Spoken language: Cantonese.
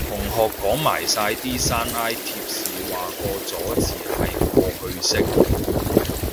同學講埋晒啲山埃貼士話個咗字係過去式